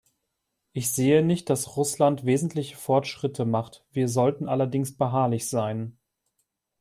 Ich sehe nicht, dass Russland wesentliche Fortschritte macht, wir sollten allerdings beharrlich sein.